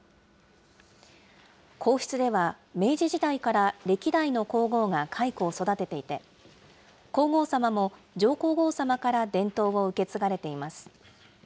皇室では、明治時代から歴代の皇后が蚕を育てていて、皇后さまも上皇后さまから伝統を受け継がれています。